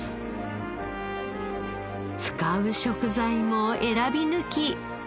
使う食材も選び抜き。